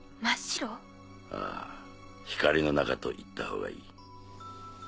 ああ光の中と言ったほうがいい。